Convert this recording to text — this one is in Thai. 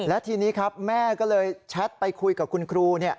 และทีนี้ครับแม่ก็เลยแชทไปคุยกับคุณครู